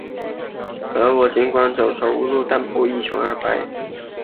布雷斯特的海港优势首先由黎塞留枢机认识到。